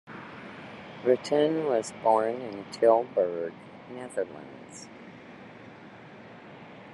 Rutten was born in Tilburg, Netherlands.